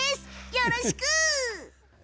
よろしく！